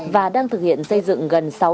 và đang thực hiện xây dựng gần